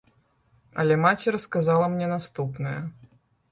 Але маці расказала мне наступнае.